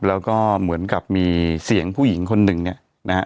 แล้วก็เหมือนกับมีเสียงผู้หญิงคนหนึ่งเนี่ยนะฮะ